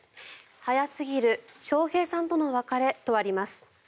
早すぎる笑瓶さんとの別れとあります。